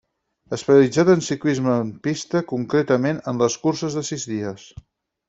Especialitzat en el ciclisme en pista concretament en les curses de sis dies.